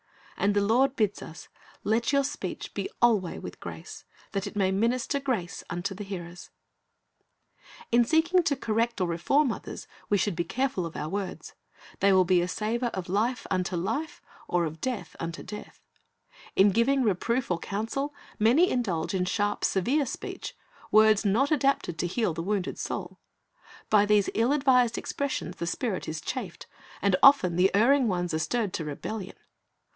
"' And the Lord bids us, "Let your speech be alway with grace," "that it may minister grace unto the hearers."^ • Ps. 45 : 2 ; Isa. 50 : 4 2 ^ol. 4:6; Eph. 4 : 29 Talents 337 In seeking to correct or reform others we should be careful of our words. They will be a savor of life unto life or of death unto death. In giving reproof or counsel, many indulge in sharp, severe speech, words not adapted to heal the wounded soul. By these ill advised expressions the spirit is chafed, and often the erring ones are stirred to rebellion.